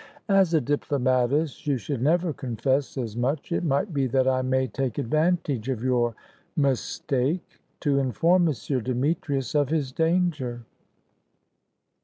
"As a diplomatist you should never confess as much. It might be that I may take advantage of your mistake, to inform M. Demetrius of his danger."